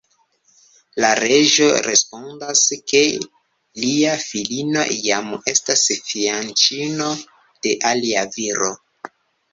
La reĝo respondas, ke lia filino jam estas fianĉino de alia viro.